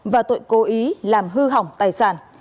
và tội cố ý làm hư hỏng tài sản